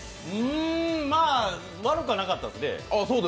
ん、まあ悪くはなかったですね。